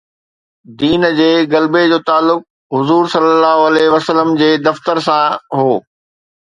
دين جي غلبي جو تعلق حضور ﷺ جي دفتر سان هو.